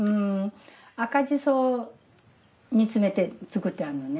赤ジソを煮詰めて作ってあるのね。